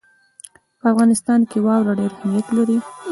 په افغانستان کې واوره ډېر اهمیت لري.